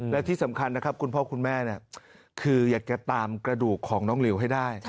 และที่สำคัญนะครับคุณพ่อคุณแม่คืออยากจะตามกระดูกของน้องหลิวให้ได้